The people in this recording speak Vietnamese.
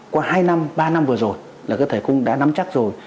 qua hai năm ba năm vừa rồi là các thầy cung đã nắm chắc rồi